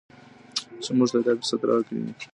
چې موږ ته یې دا فرصت راکړ.